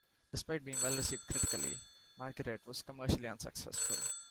Despite being well received critically, "Margaret" was commercially unsuccessful.